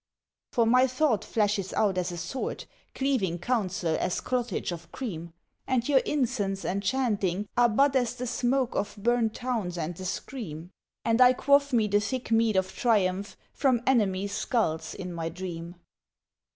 "For my thought flashes out as a sword, cleaving counsel as clottage of cream; And your incense and chanting are but as the smoke of burnt towns and the scream; And I quaff me the thick mead of triumph from enemies' skulls in my dream!